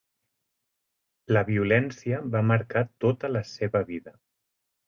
La violència va marcar tota la seva vida.